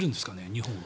日本は。